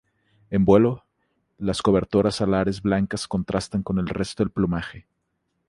En vuelo, las cobertoras alares blancas contrastan con el resto del plumaje.